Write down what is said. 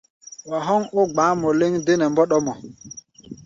Wa hɔ́n ó gba̧á̧ mɔ lɛ́ŋ dé nɛ mbɔ́ɗɔ́mɔ.